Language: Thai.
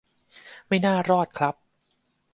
ไม่น่ารอดครับ